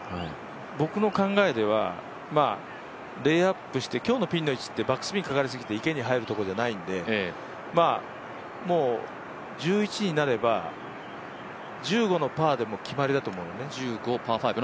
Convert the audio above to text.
僕の考えではレイアップして今日のピンの位置ってバックスピンかかりすぎて池に入るところじゃないんで、もう１１になれば、１５のパーでも決まりだと思うのね。